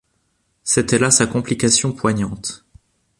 C’était là sa complication poignante.